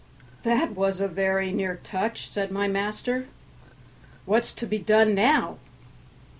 "That was a very near touch," said my master. "What's to be done now?"